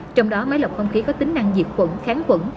trong đó máy lọc không khí có tính năng diệt khuẩn kháng quẩn